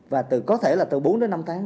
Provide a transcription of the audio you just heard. và có thể là từ bốn đến năm tháng